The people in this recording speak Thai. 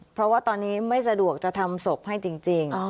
เพราะว่าตอนนี้ไม่สะดวกจะทำศพให้จริง